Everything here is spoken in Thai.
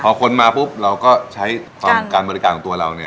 พอคนมาปุ๊บเราก็ใช้การบริการของตัวเรา